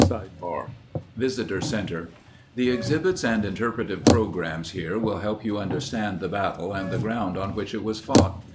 2£Ec® ' ©o©£ 3<u ■QcEcowSwro O Visitor Center The exhibits and interpretive programs here will help you understand the battle, and the ground on which it was fought.